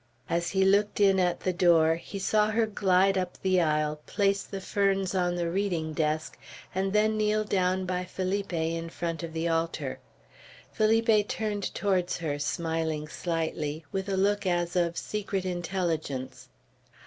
As he looked in at the door, he saw her glide up the aisle, place the ferns on the reading desk, and then kneel down by Felipe in front of the altar. Felipe turned towards her, smiling slightly, with a look as of secret intelligence.